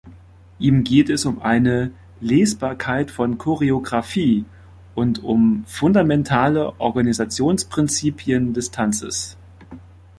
Ihm geht es um eine „Lesbarkeit von Choreografie“ und um „fundamentale Organisationsprinzipien“ des Tanzes.